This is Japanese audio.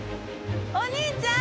お兄ちゃん！